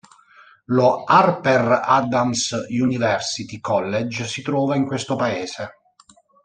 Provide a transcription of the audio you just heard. Lo Harper Adams University College si trova in questo paese.